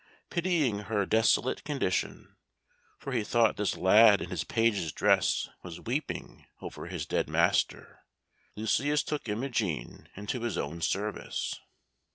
Pitying her desolate condition, for he thought this lad in his page's dress was weeping over his dead master, Lucius took Imogen into his own service.